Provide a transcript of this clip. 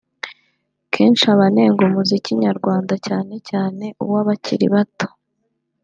Kenshi abanenga muzika nyarwanda cyane cyane uw’abakiri bato